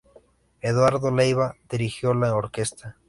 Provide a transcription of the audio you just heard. Eduardo Leyva dirigió la orquesta.